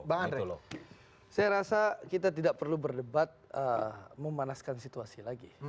bang andre saya rasa kita tidak perlu berdebat memanaskan situasi lagi